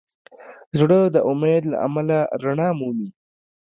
زړه د امید له امله رڼا مومي.